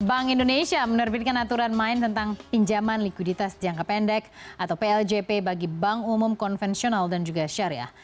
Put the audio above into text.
bank indonesia menerbitkan aturan main tentang pinjaman likuiditas jangka pendek atau pljp bagi bank umum konvensional dan juga syariah